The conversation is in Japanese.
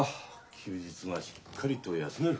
休日がしっかりと休める。